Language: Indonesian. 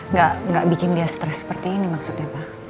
nggak bikin dia stres seperti ini maksudnya pak